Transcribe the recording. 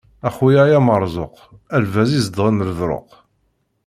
A xuya ay ameṛẓuq, a lbaz izedɣen leḍṛuq.